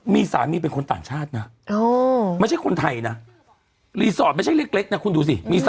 ไม่ใช่คนไทยนะลีสอร์ทไม่ใช่เล็กนะคุณดูสิ